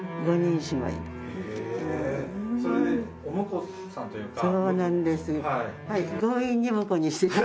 へえそうなんです